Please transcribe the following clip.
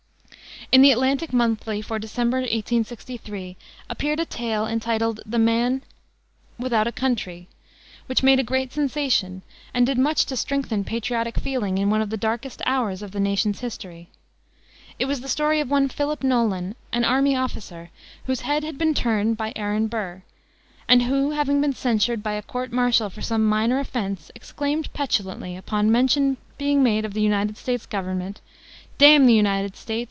In the Atlantic Monthly for December, 1863, appeared a tale entitled the Man Without a Country, which made a great sensation, and did much to strengthen patriotic feeling in one of the darkest hours of the nation's history. It was the story of one Philip Nolan, an army officer, whose head had been turned by Aaron Burr, and who, having been censured by a court martial for some minor offense, exclaimed, petulantly, upon mention being made of the United States Government, "Damn the United States!